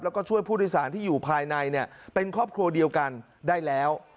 แล้วก็ช่วยผู้โดยสารที่อยู่ภายในเป็นครอบครัวเดียวกันได้แล้ว